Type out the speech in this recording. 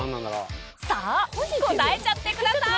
さあ答えちゃってください